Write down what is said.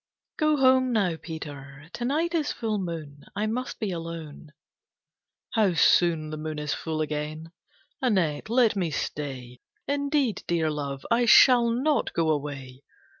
III "Go home, now, Peter. To night is full moon. I must be alone." "How soon the moon is full again! Annette, let me stay. Indeed, Dear Love, I shall not go away.